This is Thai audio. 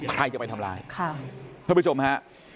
ใครจะไปทำร้ายค่ะท่านผู้ชมฮะ